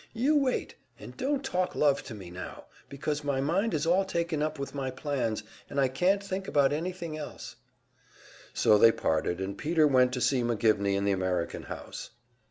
You wait and don't talk love to me now, because my mind is all taken up with my plans, and I can't think about anything else." So they parted, and Peter went to see McGivney in the American House.